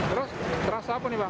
terus terasa apa nih bang